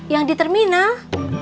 yang di terminal